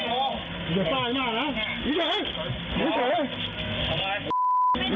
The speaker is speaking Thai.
กลุ่มก็นิดเดียว